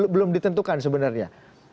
belum ditentukan sebenarnya